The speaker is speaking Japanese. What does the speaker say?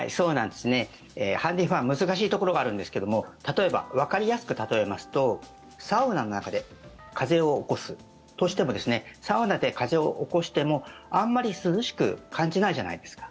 ハンディーファン難しいところがあるんですけど例えば、わかりやすく例えますとサウナの中で風を起こすとしてもサウナで風を起こしてもあんまり涼しく感じないじゃないですか。